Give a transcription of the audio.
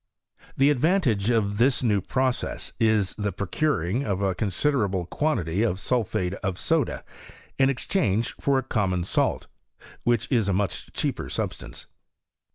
The advantage of this new process is, the procuring of a considerable 74 BISTORT OF CHEMISTRY. quantity ofsulphateof soda in exchange for common ■alt, which is a much cheaper substance.